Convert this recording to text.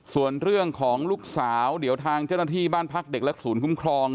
ส่วนเรื่องของลูกสาวเดี๋ยวทางเจ้าหน้าที่บ้านพักเด็กและศูนย์คุ้มครอง